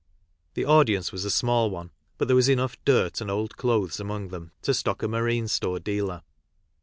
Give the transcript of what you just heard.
The audience was a small one, but there was enough dirt and old clothes among them to stock a marine store dealer.